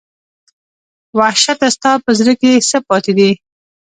وحشته ستا په زړه کې څـه پاتې دي